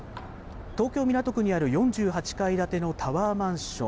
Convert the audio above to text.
東京・港区にある４８階建てのタワーマンション。